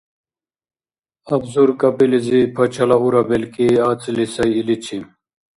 Абзур кӀапӀилизи пачала ура белкӀи, ацӀили сай иличи.